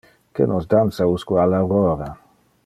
Que nos dansa usque al aurora!